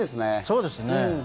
そうですね。